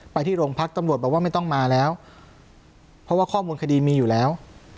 ไปที่โรงพักตำรวจบอกว่าไม่ต้องมาแล้วเพราะว่าข้อมูลคดีมีอยู่แล้ว